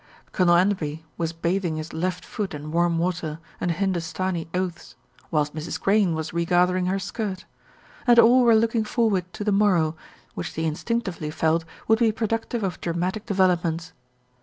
Colonel Enderby was bathing his left foot in warm water and Hindustani oaths; whilst Mrs. Crane was re gathering her skirt. And all were looking forward to the morrow, which they instinctively felt would be productive of dramatic developments.